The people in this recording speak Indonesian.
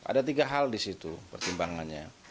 ada tiga hal di situ pertimbangannya